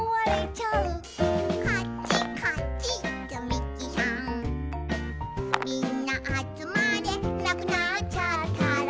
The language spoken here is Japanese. みんなあつまれ」「なくなっちゃったら」